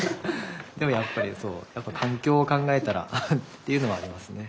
でもやっぱり環境を考えたらっていうのはありますね。